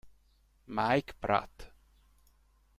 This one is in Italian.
Mike Pratt